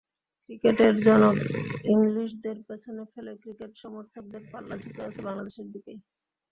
ক্রিকেটের জনক ইংলিশদের পেছনে ফেলে ক্রিকেট সমর্থকদের পাল্লা ঝুঁকে আছে বাংলাদেশের দিকেই।